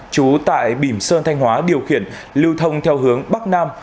trú tại bìm sơn thanh hóa điều khiển lưu thông theo hướng bắc nam